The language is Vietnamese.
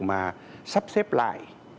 mà sắp xếp lại